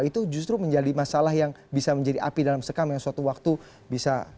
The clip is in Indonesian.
itu justru menjadi masalah yang bisa menjadi api dalam sekam yang suatu waktu bisa